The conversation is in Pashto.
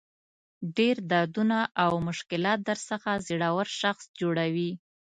ډېر دردونه او مشکلات درڅخه زړور شخص جوړوي.